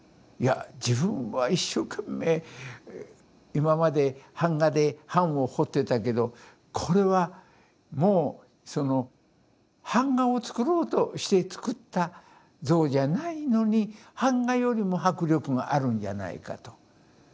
いや自分は一生懸命今まで版画で版を彫ってたけどこれはもうその版画を作ろうとして作った像じゃないのに版画よりも迫力があるんじゃないかと。